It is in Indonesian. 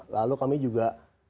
lalu kami juga